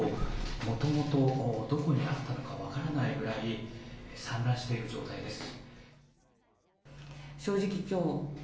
もともとどこにあったのか分からないぐらい散乱している状態です。